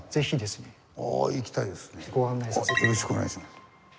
よろしくお願いします。